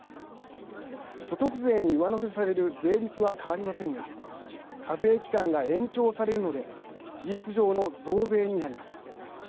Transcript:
所得税に上乗せされる税率は変わりませんが課税期間が延長されるので事実上の増税になります。